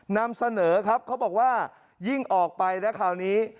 นำเสนอครับเขาบอกว่ายิ่งออกไปนะคราวนี้